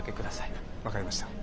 分かりました。